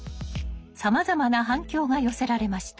さまざまな反響が寄せられました。